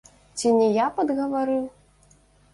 Ці не я падгаварыў?